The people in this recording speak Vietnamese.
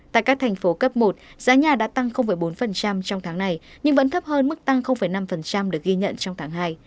tại các thành phố cấp một giá nhà đã tăng bốn trong tháng này nhưng vẫn thấp hơn mức tăng năm được ghi nhận trong tháng hai